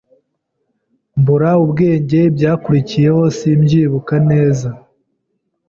mbura ubwenge ibyakurikiyeho simbyibuka neza